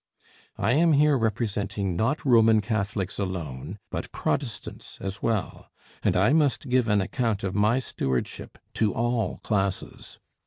I am here representing not Roman Catholics alone but Protestants as well, and I must give an account of my stewardship to all classes.